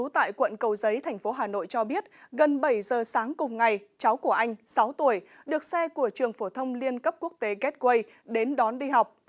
tại quận cầu giấy thành phố hà nội cho biết gần bảy giờ sáng cùng ngày cháu của anh sáu tuổi được xe của trường phổ thông liên cấp quốc tế gateway đến đón đi học